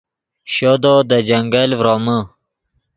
شودو دے جنگل ڤرومے